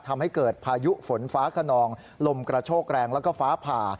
ทำให้เกิดพายุฝนฟ้าขนองลมกระโชกแรงแล้วก็ฟ้าผ่า